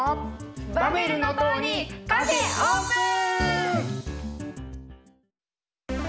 バベルの塔にカフェオープン！